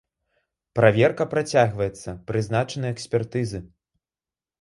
Праверка працягваецца, прызначаны экспертызы.